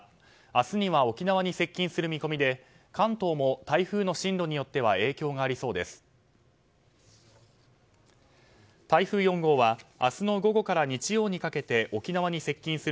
明日には沖縄に接近する見込みで関東も台風の進路によっては影響がありそうです。